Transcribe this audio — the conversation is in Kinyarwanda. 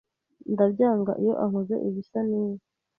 Ndabyanga iyo ankoze ibisa nibi